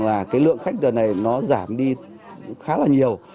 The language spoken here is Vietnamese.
lượng khách đợt này giảm đi khá là nhiều